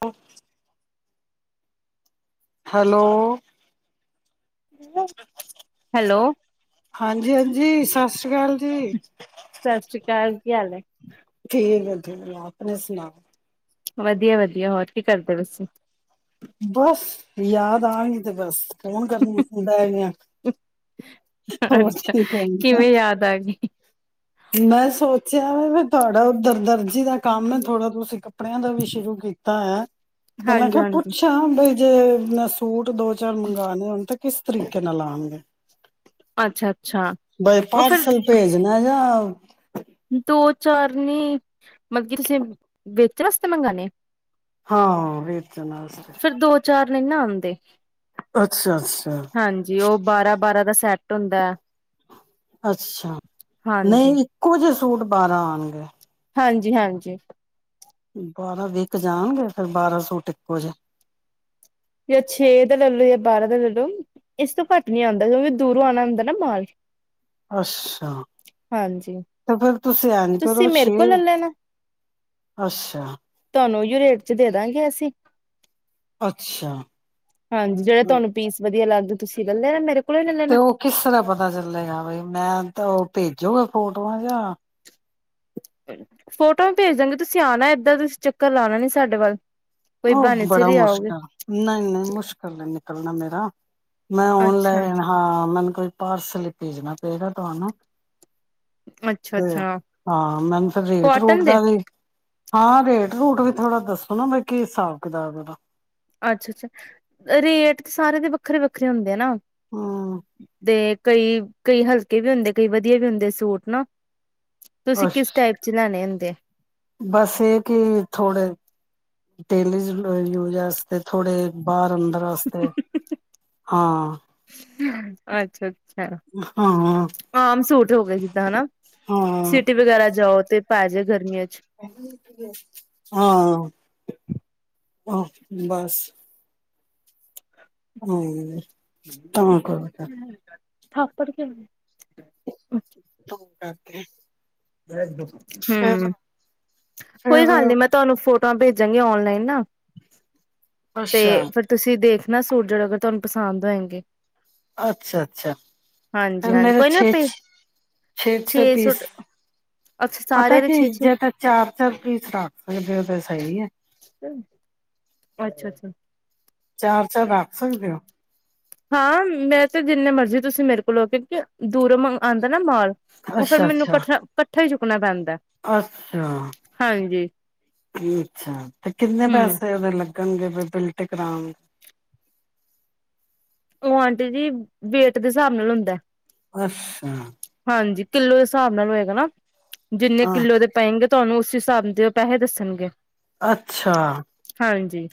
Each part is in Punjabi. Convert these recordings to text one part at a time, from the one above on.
ਆ ਹਾਲੋ ਹੈਲੋ ਹਾਂਜੀ, ਹਾਂਜੀ ਸਸ ਸ੍ਰੀ ਕਾਲ ਜੀ, ਸਤਿ ਸ਼੍ਰੀ ਅਕਾਲ ਕੀ ਹਾਲ ਹੈ? ਠੀਕ ਆ [unintelligible] ਆਪਨੀ ਸੁਨਾ? ਵਦੀਆ, ਵਦੀਆ ਹੋਰ ਕੀ ਕਰਦੇ ਪੇ ਸੀ? ਬੱਸ ਯਾਦ ਆਗੀ ਤੇ ਬਸ, ਫੋਨ ਕਰਨ ਨੂ ਹੁ ਟੈਮ ਨੀ ਆ, ਅ, ਹ ਹੋਰ ਅੱਛਾ ਕੀ ਕਰ ਕਿਵੇਂ ਯਾਦ ਆ ਗਈ? ਮੈਂ ਸੋਚੇਆ, ਤੁਆੜਾ ਓਦਰ ਦਰਜੀ ਦਾ ਕੰਮ ਐ ਥੋੜਾ ਤੁਸ ਤੇ ਕੱਪੜੇਆਂ ਦਾ ਵੀ ਸ਼ੁਰੂ ਕੀਤਾ ਹੋਯਾ, ਤੇ ਮੈਂ ਹਾਂਜੀ ਕੇਹਾ ਹਾਂਜੀ। ਪੁੱਛਾਂ ਬਈ ਜੇ ਮੈ ਸੂਟ ਦੋ ਚਾਰ ਮੰਗਾਨੇ ਹੋਨ ਤ ਕਿਸ ਤਰੀਕੇ ਨਾਲ ਆਨਗੇ? ਅੱਛਾ ਅੱਛਾ ਬਈ ਉਹ ਫਿਰ ਪਾਰਸਲ ਭੇਜਨਾ ਯਾ ਹ [inaudible] ਚਰਨੀ, ਮਕਬ ਕੀ ਤੁਸੀ ਵਿਚ ਵਾਸਤੇ ਮੰਗਾਨੀ? ਹਾਂ, ਵਚਨ ਆਸਤੇ। ਨਹੀਂ ਨਾ ਆਂਦੇ। ਅੱਛਾ ਹਾਂਜੀ ਉਹ ਬਾਰਾਂ ਬਾਰਾਂ ਦਾ ਸੈਟ ਟ ਹੁੰਦਾ। ਅੱਛਾ, ਨਹੀਂ ਹਾਂਜੀ। ਇੱਕੋ ਜਿਹੇ ਸੂਟ ਬਾਰਾਂ ਆਣਗੇ। ਹਾਂਜੀ-ਹਾਂਜੀ। ਬਾਰਾਂ ਵੀਕ ਜਾਣਗੇ? ਫੇਰ ਬਾਰਾਂ ਸੁਤ ਇੱਕੋ ਜੇ। ਜਾਂ ਛੇ ਦਾ ਲੈ ਲੋ ਜਾਂ ਬਾਰਾਂ ਦਾ ਲੈਲਓ ਇਸ ਤੋਂ ਘੱਟ ਨੀ ਆਂਦਾ ਕਿ ਵੀ ਦੂਰੋਂ ਆਣਾ ਹੁੰਦਾ ਨਾ ਮਾਲ। ਅੱਛਾ, ਹਾਂਜੀ। ਤੇ ਫੇਰ ਤੁਸੀਂ ਐਂਜ ਤੁਸੀਂ ਕਰੋ ਮੇਰੇ ਕੋਲ ਛੇ, ਲੈ ਲੈਣਾ ਅੱਛਾ ਉਹੀ ਰੇਟ ਚ ਦੇ ਦਾਂਗੇ ਅਸੀਂ। ਅੱਛਾ ਹਾਂਜੀ ਜਿਹੜਾ ਤੁਹਾਨੂੰ ਪੀਸ ਵਧੀਆ ਲੱਗ ਤੁਸੀਂ ਲੱਲੇ ਨਾ ਮੇਰੇ ਕੋਲੋਂ ਹੀ ਲੈ ਤੇ ਲੈਣਾ ਉਹ ਕਿਸ ਤਰ੍ਹਾਂ ਪਤਾ ਚੱਲੇਗਾ ਬਈ ਮੈਂ ਤਾਂ ਉਹ ਭੇਜੋਗੇ ਫੋਟੋਆਂ ਜਾਂ ਫੋਟੋ ਵੀ ਭੇਜ ਦਾਂਗੇ, ਤੁਸੀਂ ਆਣਾ ਨੀ ਇਦਰ, ਤੁਸੀਂ ਚੱਕਰ ਆਣਾ ਨੀ ਸਾਡੇ ਵੱਲ। ਕੋਈ ਬਹਾਨੇ ਉਹ ਸਿਰ ਬੜਾ ਹੀ ਆਓਗੇ ਮੁਸ਼ਕਿਲ, ਨਹੀਂ-ਨਹੀਂ ਮੁਸ਼ਕਿਲ ਹੈ ਨਿਕਲਣਾ ਮੇਰਾ, ਮੈਂ ਅੱਛਾ ਔਨਲਾਈਨ ਹਾਂ ਮੈਨ ਕੋਈ ਪਾਰਸਲ ਭੇਜਣਾ ਪਏਗਾ ਤੁਹਾਨੂੰ। ਅੱਛਾ ਤੇ ਅੱਛਾ ਹਾਂ ਮੈਨੂੰ ਫਿਰ ਰੇਟ ਰੂਟ ਕੋਟਨ ਦੇ ਦਾ ਵੀ ਹਾਂ ਰੇਟ ਰੂਟ ਵੀ ਥੋੜਾ ਦੱਸੋ ਨਾ ਬਈ ਕੀ ਹਿਸਾਬ ਕਿਤਾਬ ਉਹਦਾ। ਅੱਛਾ-ਅੱਛਾ, ਰੇਟ ਤੇ ਸਾਰੇ ਦੇ ਵੱਖਰੇ-ਵੱਖਰੇ ਹੁੰਦੇ ਆ ਨਾ। ਹੂੰ ਦੇ ਕਈ ਕਈ ਹਲਕੇ ਵੀ ਹੁੰਦੇ, ਕਈ ਵਧੀਆ ਵੀ ਹੁੰਦੇ ਸੂਟ ਨਾ। ਤੁਸੀਂ ਕਿਸ ਟਾਈਪ ਚ ਲਾਣੇ ਹੁੰਦੇ? ਤੇ ਬਸ ਇਹ ਕਿ ਥੋੜੇ ਡੈਲੀ ਯੂਜ਼ ਆਸਤੇ ਥੋੜੇ ਬਾਹਰ ਅੰਦਰ ਆਸਤੇ, ਹਾਂ। ਅੱਛਾ। ਛਾ, ਹਾਂ ਆਮ ਸੂਟ ਹੋ ਗਏ ਜਿੱਦਾਂ ਹਨਾ, ਹਾਂ ਸਿਟੀ ਵਗੈਰਾ ਜਾਓ ਤੇ ਪੈ ਜੇ ਗਰਮੀਆਂ ਚ ਹਾਂ। ਆਹ ਬਸ। ਹੂ। [unintelligible] ਥਾਪੜ ਕੇ ਤੇ [unintelligible] [unintelligible] ਹੂੰ, ਕੋਈ ਫਿਰ ਗੱਲ ਨੀ ਮੈਂ ਤੁਆਨੂੰ ਫੋਟ ਤਾਂ ਭੇਜਾਂਗੀ ਓਨਲਾਈਨ ਨਾ। ਤੇ ਅੱਛਾ ਫੇਰ ਤੁਸੀ ਦੇਖ [unintelligible] ਅੱਛਾ, ਅੱਛਾ ਫੇਰ ਹਾਂਜੀ-ਹਾਂਜੀ ਮੇਰੇ ਕੋਈ ਨਾ ਛੇ, ਭੇ ਛ, ਛੇ, ਛੇ ਪੀਸ ਅੱਛਾ ਪਤਾ ਸਾਰਿਆਂ ਦੇ ਕੀ, ਛੇ-ਛੇ ਜੇ ਤੇ ਚਾਰ, ਚਾਰ ਪੀਸ ਰੱਖ ਲਬੇ ਓਦੇ ਚੋ ਸਈ ਐ। [inaudible] ਅੱਛਾ, ਅੱਛਾ ਚਾਰ, ਚਾਰ ਰੱਖ ਸਕਦੇ ਓ? ਹਾਂ, ਮੇ ਤੇ ਜਿੰਨੇ ਮਰਜ਼ੀ ਤੁਸੀਂ ਮੇਰੇ ਕੋਲੋਂ ਟਿਕੇ ਦੂਰੋਂ ਮੰ ਆਂਦਾ ਨਾ ਮਾਲ। ਓ ਫੇਰ ਮੈਨੂੰ ਕੱਠ, ਕੱਠਾ ਇ ਕੱਠਾ ਹੀ ਚੁੱਕ [inaudible] ਅੱਸਾ ਅ ਅੱਛਾ, ਤੇ ਕਿੰਨੇ ਹੂੰ ਪੈਸੇ ਓਦੇ ਲੱ [unintelligible] ਓ ਆਂਟੀ ਜੀ, ਵੇਟ ਦੇ ਸ੍ਹਾਬ ਨਾਲ ਹੁੰਦੈ ਅੱਛਾ ਹਾਂਜੀ। ਕਿੱਲੋ ਦੇ ਸ੍ਹਾਬ ਨਾਲ ਹੋਏਗਾ ਨਾ। ਜਿੰਨੇ ਕਿੱਲੋ ਆਹ ਦੇ ਪਏਂਗੇ ਤੁਹਾਨੂੰ ਉਸੀ ਹਿਸਾਬ ਦੇਂ, ਓ ਪੈਹੇ ਦੱਸਨਗੇ। ਅੱਛਾ। ਹਾਂਜੀ।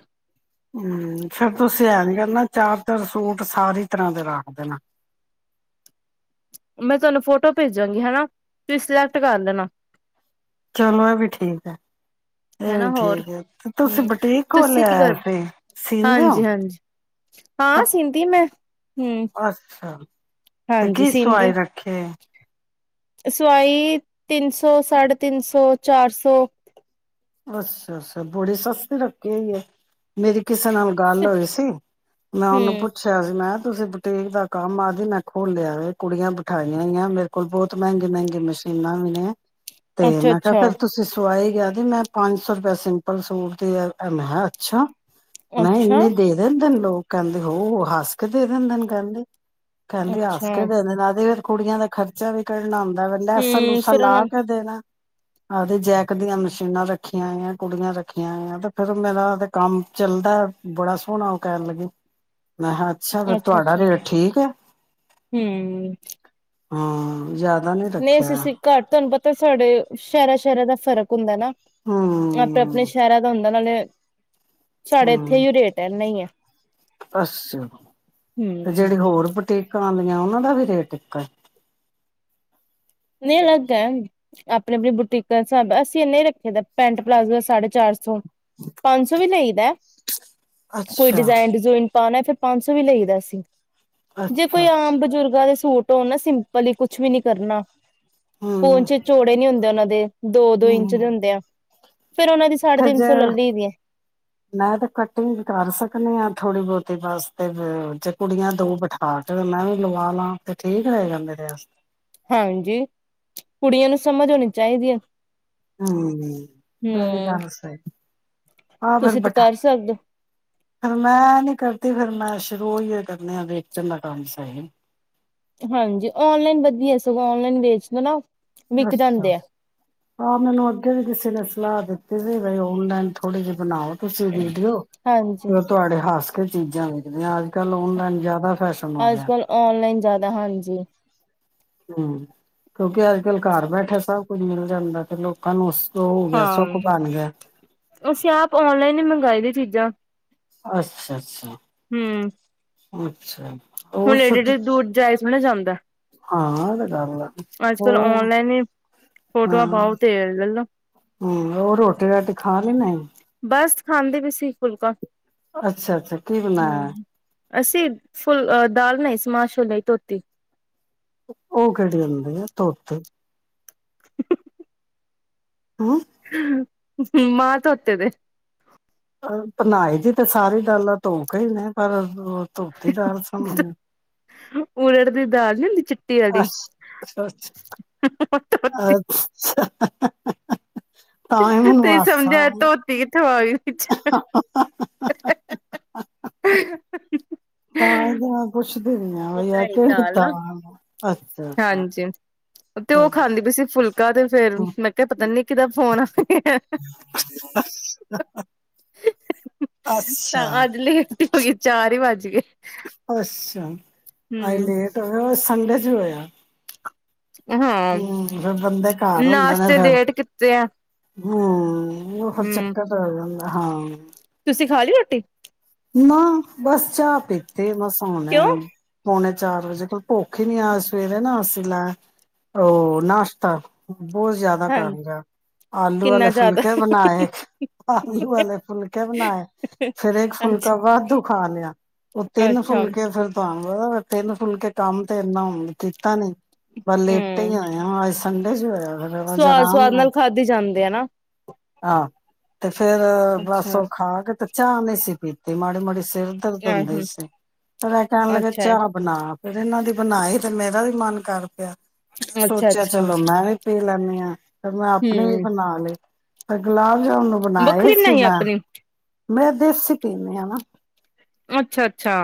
ਹੂੰ, ਫਿਰ ਤੁਂਸੀ ਐਂਜ ਕਨਾ ਚਾਰ, ਚਾਰ ਸੂਟ ਸਾਰੀ ਤਰ੍ਹਾਂ ਦੇ ਰਾਖ ਦੇਨਾ। ਮੈਂ ਤੁਆਨੂੰ ਫੋਟੋ ਭੇਜਾਂਗੀ, ਹਨਾ ਤੁਸ ਸਿਲੈਕਟ ਕਰ ਲੈਨਾ। ਚਲੋ ਏ ਵੀ ਠੀਕ ਐ। ਏ ਹਨਾ ਵੀ ਹੋਰ ਠੀਕ ਐ, ਤੇ ਤੁਸੀ ਹੂੰ ਬਟੀਕ ਤੁਸੀਂ ਖੋਲੇਆ ਕੀ ਕਰਦੇ ਏ? [inaudible] ਸੀਲਦੇ ਓ ਹਾਂਜੀ-ਹਾਂਜੀ ਕ ਹਾਂ ਸੀਂਦੀ ਮੈਂ ਹੂੰ ਅੱਛਾ, ਤੇ ਕੀ ਸਵਾਈ ਰੱਖੀ ਏ? ਏ ਸਵਾਈ ਤਿੰਨ ਸੋ, ਸਾੜੇ ਤਿੰਨ ਸੋ, ਚਾਰ ਸੋ ਅੱਸਾ, ਅੱਸੈ ਬੜੀ ਸਸਤੀ ਰੱਖੀ ਹੋਈ ਏ। ਮੇਰੀ ਕਿਸੇ ਨਾਲ ਗੱਲ ਹੂੰ ਹੋਈ ਸੀ, ਮੈਂ ਓਨੂੰ ਪੁੱਛੇਆ ਸੀ ਮੈਂ ਆ ਤੁਸੀ ਬੁਟੀਕ ਦਾ ਕੰਮ ਐ ਜਿਮੇ ਖੋਲੇਆ ਵੇ, ਕੁੜੀਆਂ ਬਿਠਾਈਯਾਂ ਹੋਈਆਂ, ਮੇਰ ਕੋਲ ਬੋਤ ਮੈਂਗੇ ਮੈਂਗੇ ਮਸ਼ੀਨਾਂ ਵੀ ਨੇ ਤੇ ਮੈਂ ਕੇਆ ਅੱਛਾ-ਅੱਛਾ ਫਿਰ ਤੁਸੀ ਸਵਾਈ [inaudible] ਪੰਜ ਸੋ ਰਪੈ, ਸਿੰਪਲ ਸੂਟ ਦੀ ਮੈ ਹਾ ਅੱਛਾ ਮੈਂ ਐ ਇਨੇ ਦੇ ਦਿੰਦੇ ਨ ਲੋਕ। ਓ ਕੈਂਦੇ, ਹੋਰ ਹੱਸ ਕੇ ਦੇ ਦਿੰਦੇ ਨੇ ਕੈਂਦੀ। ਕੈਂਦੀ ਹਾੱਸ ਅੱਛਾ-ਅੱਛਾ ਕੇ ਦੇਦੇਨ ਨਾਲ ਫੇ ਕੁੜੀਆਂ ਦਾ ਖਰਚਾ ਵੀ ਕੱ ਬਣਾਓਂਦਾ ਵੈ, ਹੂੰ ਲੈਸਾ-ਲੂਸਾ ਫਿਰ ਲਾ ਉਹਨਾਂ ਕੇ ਦੇਨੈ? ਆਤੇ ਜੈਕ ਦੀਆਂ ਮਸ਼ੀਨਾਂ ਰੱਖ ਰੱਖੀਯਾਂ ਆਈਆਂ, ਕੁੜੀਯਾਂ ਰੱਖੀਆਂ, ਤੇ ਫਿਰ ਮੇਰਾ ਤੇ ਕੰਮ ਚੱਲਦਾ ਬੜਾ ਸੋਣਾ ਓ ਕੈਣ ਲੱਗੀ ਮੈਂ ਹਾ ਅੱਛਾ, ਫੇਰ ਤੁਆਡਾ ਅੱਛਾ-ਅੱਛਾ ਰੇਟ ਠੀਕ ਐ। ਹਾਂ ਜ਼ਿਆਦਾ ਨੀ ਨਈ ਰੱਖਿਆ ਅਸੀ ਸੀ ਘੱਟ ਥਨੂੰ ਪਤਾ ਤੇ ਸਾੜੇ ਸੈ਼ਰਾਂ ਸੈ਼ਰਾਂ ਦਾ ਫ਼ਰਕ ਹੁੰਦ ਨਾ। ਆਪਨੇ ਆਪਨੇ ਹਮ ਸੈ਼ਰਾਂ ਦਾ ਹੁੰਦਾ ਨਾਲ ਸਾੜੇ ਏਥੇ ਏਇਓ ਰੇਟ ਐ ਏਨਾ ਈ ਐ। ਅ ਅੱਸਯਾ, ਤੇ ਹੂੰ ਜੇੜੇ ਹੋਰ ਬਟਿਕ [unintelligible] ਓਨਾਂ ਦਾ ਵੀ ਰੇਟ ਇੱਕੋ ਏ? ਨੀ ਅਲੱਗ ਐ, ਆਪਣੀ ਆਪਣੀ ਬੁਟੀਕਾਂ ਦੇ ਸਾਬੈ, ਅਸੀਂ ਐਨੇ ਈ ਰੱਖੇ ਦਾ। ਪੈਂਟ ਪਲਾਜ਼ੋ ਸਾੜੇ ਚਾਰ ਸੋ, ਪੰਜ ਸੋ ਵੀ ਲਈ ਦੈ ਕੋਈ ਅੱਛਾ ਡਿਜ਼ਾਇਨ ਡੂਜ਼ਾਇਨ ਪਾਨੈ ਫਿਰ ਪੰਜ ਸੋ ਵੀ ਲਈਦਾ ਅਸੀ। ਜੇ ਕੋਈ ਅੱਛਾ ਆਮ ਬਜ਼ੁਰਗਾਂ ਦੇ ਸੂਟ ਹੋ ਨਾ ਸਿੰਪਲ ਈੲ ਕੁਛ ਵੀ ਨੀ ਕਰਨਾ ਹਮ ਪੋਂਚੇ ਚੋੜੇ ਨੀ ਹੁੰਦੇ ਓਨਾਂ ਦੇ ਤੇ [inaudible] ਦੋ ਦੋ ਹਮ ਇੰਚ ਦੇ ਹੁੰਦੇ ਆ। ਫੇਰ ਉਹਨਾਂ ਦੀ ਸਾਢੇ ਤੇ ਤਿੰਨ ਜੇ, ਸੌ ਲੱਲੀ ਦੀ ਹੈ ਮੈਂ ਤਾ ਕਟਿੰਗ ਕਰ ਸਕਨੀ ਹਾਂ ਥੋੜੀ ਬੋਤ ਤੇ ਦਸ ਤੇ, ਜੇ ਕੁੜੀਆਂ ਦੋ ਬਠਾ ਕੇ ਮੈਂ ਵੀ ਲਵਾ ਲਾ, ਤੇ ਠੀਕ ਰਹੇਗਾ ਮੇਰੇ ਵਾਸ ਹੈਂਜੀ, ਕੁੜੀਆਂ ਨੂੰ ਸਮਝ ਹੋਨੀ ਚਾਈਦੀ ਐ। [inaudible] ਹਾਂ ਫਿਰ ਤੁਸੀਂ ਤੇ ਬਠਾ ਕਰ ਸਕਦੇ ਫਿਰ ਮੈਂ ਨੀ ਕਰਦੀ। ਤੇ ਫਿਰ ਮੈਂ ਸ਼ੁਰੂ ਓਈਓ ਕਰਨੇ ਆ ਵੇਚਨ ਦਾ ਕੰਮ ਸਹੀ। ਹਾਂਜੀ, ਓਨਲਾਈਨ ਵਦੀਆ ਸਗੋਂ ਔਨਲਾਈਨ ਵੇਚਨੇ ਨਾ ਵਿਕ ਅੱਸਾ, ਜਾਂਦੇ ਆ ਹਾਂ ਮੈਨੂੰ ਅੱਗੇ ਵੀ ਕਿੱਸੀ ਦੱਸੇਆ ਸਲ੍ਹਾ ਦਿੱਤੀ ਸੀ ਬਈ ਓਨਲਾਈਨ ਥੋੜੇ ਜੇ ਬਨਾਓ। ਤੁਸੀ ਵੀਡੀਓ, ਹਾਂਜੀ ਓ ਤੁਹਾਡੇ ਹਾਸ ਤੇ ਚੀਜਾ ਵਿਕਦੀਆਂ ਅੱਜ -ਕੱਲ ਓਨਲਾਨ ਜੇਆਦਾ ਅੱਜ-ਕੱਲ ਓਨਲਾਈਨ ਜਾਦਾ ਹਾਂਜੀ। ਹੰਉਂ, ਕੇਓਕੇ ਅੱਜ-ਕੱਲ੍ਹ ਘਾਰ ਬੈਠੇਆ ਸਭ ਕੁੱਝ ਮਿਲ ਜਾਂਦੈ ਤੇ ਲੋਕਾਂ ਨੂੰ ਹੋ ਗਿਆ ਹਾਂ ਸੁੱਖ ਬਣ ਗਿਆ ਅਸੀ ਆਪ ਓਨਲਾਈਨ ਨਈਂ ਮੰਗਾਈ ਦੀਆਂ ਚੀਜ਼ਾਂ। ਆਛਾ ਅਛਛਾ। ਹੂੰ [unintelligible] ਹੋਰ ਹੁਨ ਏਡੀ ਛੁੱਟੀ ਏਡੀ ਦੂਰ ਜਾਏਜ ਥੋੜਾ ਜਾਂਦਾ। ਆ। ਗੱਲ ਅੱਜ-ਕੱਲ ਹੋਰ ਓਨਲਾਈਨ ਈ ਫੋਟੋਆਂ ਪਾਓ ਤੇ ਲੇਲੋ। ਹੂੰ ਹੋਰ ਰੋਟੀੇ-ਰਾਟੀ ਖਾ ਖਾ ਲੈ ਨੇ। ਬਸ ਖਾਂਦੇ ਵੀ ਸੀ ਫੁਲਕਾ। ਅੱਛਾ ਅੱਛਾ ਕੀ ਬਨਾਇਆ। ਅਸੀ ਫੁੱਲ ਅ ਦਾਲ ਬਨਾਈ ਸੀ ਮਾ ਛੋਲਿਆਂ ਦੀ ਧੋਤੀ। ਉਅ ਕਿਹੜੇ ਹੁੰਦੇ ਆ ਧੋਤੇ। [inaudible] ਮਾਅ ਧੋਤੇ ਦੇ। ਅ ਬਨਾਈ ਦੀ ਤ ਸਾਰੀ ਦਾਲਾਂ ਧੋਂ ਕੀ ਨੇ ਪਰ ਉ ਧੋਤੀ ਦਾਲ ਸਮਝਦੇ। ਉਡਦ ਦੀ ਦਾਲ ਨੀ ਹੁੰਦੀ? ਚਿੱਟ ਅੱੱਛ ਛਾ ਧੋਤੀ ਛਾ ਛਾਅ। [unintelligible] ਤੁਸੀ ਸਮਝਿਆ ਧੋਤੀ ਕਿਥੋ ਆ ਗੀ ਵਿਚ [inaudible] ਤਾਂ ਇਹਦੇ ਨਾਲ ਕੁਛ ਓਈ ਆ ਬਣਾਈ ਕਿਹੜੀ ਨਾ ਦਾਲ ਆ? ਅੱਛਾ ਛਾ ਛਾ ਹਾਂਜੀ ਤੇ ਉਹ ਖਾਂਦੀ ਪਈ ਸੀ ਫੁਲਕਾ [inaudible] ਮੈਂ ਕਿਹਾ ਪਤਾ ਨਹੀਂ ਕੀਦਾ ਫੋਨ ਆ ਗਿਆ [unintelligible] ਅੱਛਾ ਤਾਂ ਅੱਜ ਲੇਟ ਈ ਹੋਗੀ ਚਾਰ ਵੱਜ [unintelligible] ਅਛਾ ਆਜ ਹੂੰ ਲੇਟ ਹੋਗੇ ਸੰਡੇ ਕੀ ਹੋਇਆ? ਅ ਹਾਂ ਹਮ ਫਿਰ ਬੰਦੇ ਘਰ ਨਾਸ਼ਤੇ ਲੇਟ ਕਿੱਤੇ ਆ ਹੂਅ ਊ ਫੇਰ ਹੂੰ। ਚੱਕਰ ਤਾ ਆ ਜਾਦਾਂ ਹਾਂ ਤੁਸੀਂ ਖਾ ਲਈ ਰੋਟੀ ਨਾ ਬੱਸ ਚਾ ਇੱਤੇ ਮਸਾ ਓਣੈ ਕਿਉਂ ਪੋਣੇ ਚਾਰ ਵਜੇ ਕੋਲ ਭੁੱਖ ਨੀ ਐ, ਆਜ ਸਵੇਰੇ ਨਾ ਆਸੀਂ ਲੈ ਓ ਨਾਸ਼ਤਾ ਬੋਤ ਜਿਆਦਾ ਕਰ ਹਾਂਜੀ ਲੇਆ ਆਲੂ ਵਾਲੇ ਕਿੰਨਾ ਜ਼ਿਆਦਾ ਫੁਲਕੇ ਬਨਾਏ, ਆਲੂ ਵਾਲੇ ਫੁਲਕੇ ਬਨਾਏ ਫੇਰ ਇੱਕ ਫੁਲਕਾ ਅੱਛਾ ਵਾਦੁ ਖਾ ਲੇਆ ਓ ਤਿੰਨ ਅੱਛਾ ਫੁਲਕੇ ਫੇਰ ਤਾਂ ਹੋਰ ਤੇਨ ਫੂਲਕੇ ਕੰਮ ਤੇ ਇੰਨਾ ਹੁਨ ਕੀਤਾ ਨੀ ਪਰ ਲੇਟੇ ਈ ਹੂੰ ਹਾਏਂ ਆ ਅਸ ਸੰੰਡੇ ਜੋ਼ ਹੋਏਆ ਸਵਾਦ, ਸਵਾਦ ਨਾਲ ਖਾਦੀ ਜਾਂਦੀ ਆ ਨਾ। ਹਾਂ ਤੇ ਫੇਰ, ਬਸ ਅੱਛਾ ਓ ਖਾ ਕੇ, ਤੇ ਚਾਹ ਨਹੀਂ ਸੀ ਪੀਤ ਮਾੜੇ, ਮਾੜੇ ਸਿਰ ਦਰਦ ਅ ਹੁੰਦੈ ਈ ਸੀ ਫਿਰ ਐ ਕੈਣ ਲੱਗੈ ਅੱਛਾ ਚਾਹ ਬਨਾ ਫਿਰ ਏਨਾ ਦੀ ਬਨਾਈ, ਤੇ ਮੇਰਾ ਵੀ ਮਨ ਕਰ ਪੇਆ। ਮ ਅੱਛਾ ਸੋਚਿਆ ਅੱਛਾ ਚਲੋ ਮੈਂ ਵੀ ਪੀ ਲੈਨੀ ਐ ਫੇਰ ਮੈਂ ਆਪਣੇ ਵੀ ਹੂੰ ਬਣਾ ਲੇ। ਤੇ ਗਲਾਸ [inaudible] ਨੂੰ ਬਣਾਏ ਵੱਖਰੀ ਸੀ ਬਣਾਈ ਮੈਂ ਆਪਣੀ ਮੈਂ ਦੇਸੀ ਪੀਨੀ ਆ ਨਾ। ਅੱਛਾ-ਅੱਛਾ।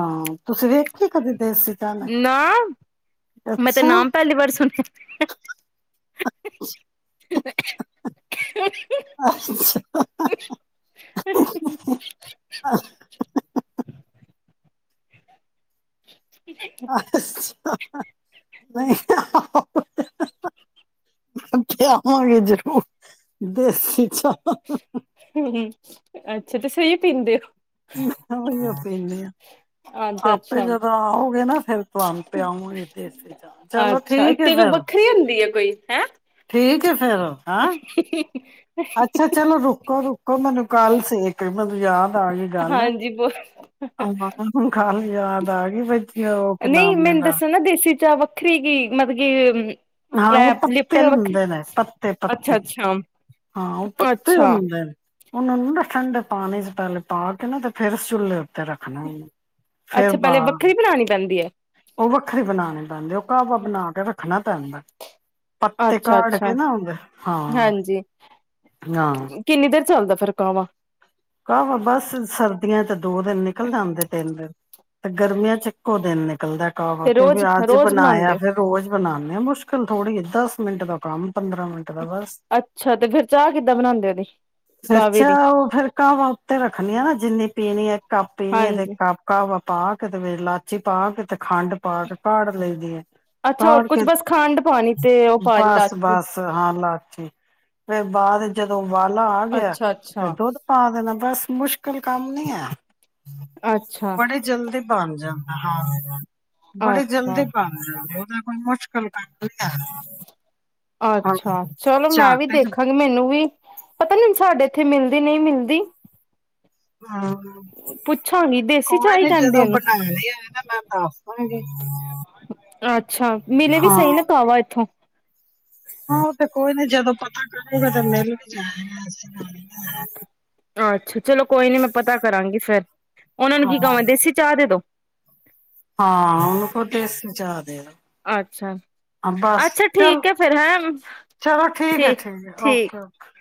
ਹਾਂ। ਤੁਸੀਂ ਵੇਖੀ ਕਦੇ ਦੇਸੀ ਚਾਹ ਮੈਂ ਨਾ ਮੈਂ ਤੇ ਅੱਛਾ ਨਾਮ ਪੈਲੀ ਵਾਰ ਸੁਨੇਆ ਹ, ਹ, ਅ ਈ, ਈ, ਹ, ਹ, ਹੇ ਅੱਛਾ। [unintelligible] ਅੱਸਾ। ਹਾ, ਹਾ, ਹ, ਹ। ਹ, ਹ, ਹ ਪੇਆਵਾਂਗੇ ਜਰੂਰ ਦੇਸੀ ਚਾ। [inaudible] ਤੁਸੀਂ ਏਈ ਪੀਂਦੇ ਓ। ਮੈਂ ਉਹੀਓ ਪੀਨੀ ਆ। ਹੋ ਅੱਛਾ ਆਪੇ ਅੱਛਾ। ਜਦੋਂ ਆਓਗੇ ਨਾ, ਫਿਰ ਤੁਹਾਨੂੰ ਪਿਆਉਂਗੀ ਦੇਸੀ ਚਾਹ ਚਲੋ ਅੱਛਾ ਠੀਕ ਏ ਤੇ ਕੋਈ ਫਿਰ ਵੱਖਰੀ ਹੁੰਦੀ ਹੈ ਕੋਈ ਹੈਂ ਠੀਕ। ਹੈ ਫਿਰ ਹਾਂ [unintelligible] ਅੱਛਾ ਚਲੋ ਰੁਕੋ-ਰੁਕੋ ਮੈਨੂੰ ਕਾਲ ਸੇ ਫੇਰ ਮੈਨੂੰ ਯਾਦ ਆ ਗਈ ਗੱਲ। [inaudible] ਆਹ ਹੁਨ ਖਾਲੇ ਯਾਦ ਆਗੀ [unintelligible] ਕੇ ਨਾਮ ਲੈਂਦਾ। ਚਾ ਵੱਖਰੀ ਕੀ ਮਤਕੀ ਹਾਂ, ਉਹ ਪੱਤੇ ਹੁੰਦੇ ਨੇ ਅੱਛਾ ਪੱਤੇ-ਪੱਤੇ ਅੱਛਾ ਹਾਂ, ਉਹ ਪੱਤੇ ਅੱਛਾ ਹੁੰਦੇ ਨੇ ਉਹਨਾ ਨੂੰ ਨਾ ਠੰਡੇ ਪਾਣੀ ਚ ਪਹਿਲੇ ਪਾ ਕੇ ਨਾ ਤੇ ਫੇਰ ਸੁਲੀਓ ਅੱਛਾ ਪਹਿਲੇ ਵੱਖਰੀ ਬਣਾਉਣੀ ਪੈਂਦੀ ਐ? ਉਹ ਵੱਖਰੇ ਬਣਾਨੇ। ਉਹ ਕਾਵਾ ਬਣਾ ਕੇ ਰੱਖਣਾ ਪੈਦਾਂ। ਪੱਤੇ ਅੱਛਾ ਕਾੜ ਅੱਛਾ ਕੇ ਨਾ ਹਾਂ- ਹਾਂਜੀ ਹਾਂ। ਕਿੰਨੀ ਦੇਰ ਚੱਲਦਾ ਫਿਰ ਕਾਵਾ। ਕਾਹਵਾ ਬਸ ਸਰਦੀਆਂ ਚ ਦੋ ਦਿਨ ਨਿਕਲ ਜਾਂਦੇ ਤਿੰਨ ਦਿਨ ਤੇ ਗਰਮੀਆਂ ਚ ਇੱਕ ਓ ਦਿਨ ਨਿਕਲਦਾ। ਹਾਂ, ਤੇ ਕਿਉਂਕਿ ਰੋਜ਼ ਅੱਜ ਰੋਜ਼ ਬਨਾਇਆ ਬਣਾਉਂਦੇ ਹੋ ਫਿਰ ਰੋਜ਼ ਬਨਾਨੇ ਆ ਮੁਸ਼ਕਿਲ ਥੋੜ੍ਹੀ ਆ ਦੱਸ ਮਿੰਟ ਦਾ ਕਾਮ ਅੱਛਾ ਤੇ ਫੇਰ ਚਾਹ ਕਿੱਦਾਂ ਬਨਾਦੇ ਉਹਦੀ ਕਾਵੇ ਦੀ? ਕਾਵਾਂ ਉੱਤੇ ਰੱਖਣੇ ਆਂ ਨਾ ਜਿੰਨੀ ਪੀਣੀ ਹੈ ਕੱਪ ਪੀਣੀ ਹੈ ਤੇ ਹਾਂਜੀ ਕੱਪ-ਕਪ। ਪਾ ਕਿ ਤੇ ਲਾਚੀ ਪਾ ਕੇ ਤੇ ਖੰਡ ਪਾ ਕੇ ਕਾੜ ਲਈ ਦੀ ਏ। ਅੱਛਾ ਹੋਰ ਕਾੜ ਕੁਛ ਕੇ ਬਸ ਖੰਡ ਪਾਣੀ ਤੇ ਉਹ ਪਾਣੀ ਲਾਚੀ ਬਸ-ਬਸ ਹਾਂ ਲਾਚੀ ਫੇਰ ਬਾਅਦ ਜਦੋ ਵਾਲਾ ਆ ਗਿਆ ਅੱਛਾ ਫੇਰ ਅੱਛਾ ਦੁੱਧ ਪਾ ਦੇਨਾ ਬਸ ਮੁਸ਼ਕਿਲ ਮੁ ਕੰਮ ਨਈ ਆਇਆ। ਅੱਛਾ ਬੜੇ ਜਲਦੀ ਬਨ ਜਾਦਾਂ ਹਾਂ ਬੜੇ ਅੱਛਾ ਜਲਦੀ ਪਾਦੇਂ ਓ ਤੇ ਕੋਈ ਮੁਸ਼ਕਲ ਕੰਮ ਨੀ ਹੈ ਹਾਂਜੀ ਆਛਾ, ਚਲੋ ਮੈਂ ਵੀ ਝੱਟ ਚ ਦੇਖਾਂਗੀ। ਮੈਨੂੰ ਵੀ ਪਤਾ ਨੀ ਸਾਡੇ ਉੱਥੇ ਮੈਂਦੀ ਨਈ ਮਿਲਦੀ। ਹ ਪੁੱਛਾਂਗੀ ਦੇਸੀ ਕੋਈ ਚਾਹ ਹੀ ਨੀ ਕਹਿੰਦੇ ਜਦੋਂ ਉਹਨੂੰ ਬਨਾਉਦੀ ਹੋਈ। ਮੈਂ ਦੱਸ ਦਾ ਗੀ। ਅੱਛਾ ਮਿਲੇ ਵੀ ਹਾ ਸਹੀ ਨਾ ਕਾਵਾ ਇੱਥੋਂ ਹਾਂ ਉਹ ਤੇ ਕੋਈ ਨੀ, ਜਦੋ ਪਤਾ ਕਰੇਗਾ। [inaudible] ਆਛਾ ਚਲੋ ਕੋਈ ਨੀ, ਮੈਂ ਪਤਾ ਕਰਾਂਗੀ ਫੇਰ। ਉਹਨਾਂ ਨੂੰ ਹਾਂ ਕੀ ਕਵਾ? ਦੇਸੀ ਚਾਹ ਦੇ ਦੋ। ਹਾਂ ਉਹਨੂੰ ਕੋ ਦੇਸੀ ਚਾ ਦੇ ਅੱਛਾ ਬਸ ਅੱਛਾ ਚਲ ਠੀਕ ਹੈ ਫੇਰ ਹੈਂ ਚਲੋ ਠੀਕ ਹੈ ਠੀਕ ਓਕੇ ਓਕੇ